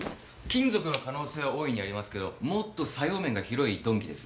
金属の可能性は大いにありますけどもっと作用面が広い鈍器です。